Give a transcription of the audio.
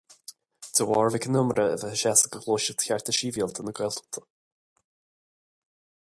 De bharr Mhic an Iomaire a bheith ag seasamh do Ghluaiseacht Chearta Sibhialta na Gaeltachta.